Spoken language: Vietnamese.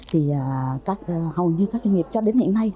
thì hầu như các doanh nghiệp cho đến hiện nay